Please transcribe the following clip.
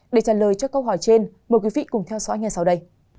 để trả lời cho câu hỏi trên mời quý vị cùng theo dõi ngay sau đây